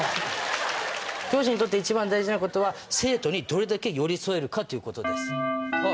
教師にとって一番大事なことは生徒にどれだけ寄り添えるか。